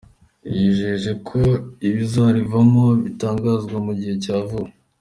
Yijeje ko ibizarivamo bitangazwa mu gihe cya vuba.